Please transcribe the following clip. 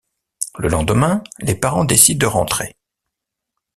Le lendemain, les parents décident de rentrer.